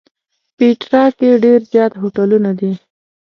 پېټرا کې ډېر زیات هوټلونه دي.